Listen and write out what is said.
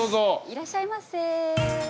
いらっしゃいませ。